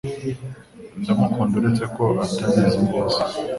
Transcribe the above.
Ndamukunda uretse ko atabizi neza